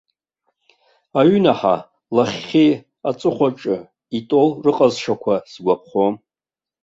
Аҩынаҳа, лахьхьи аҵыхәаҿы итәоу рҟазшьақәа сгәаԥхом!